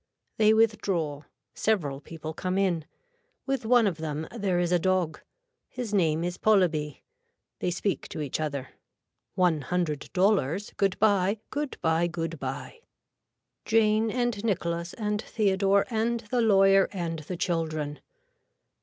They withdraw. Several people come in. With one of them there is a dog. His name is Polybe. They speak to each other. 100 dollars good bye good bye good bye. (Jane and Nicholas and Theodore and the lawyer and the children.)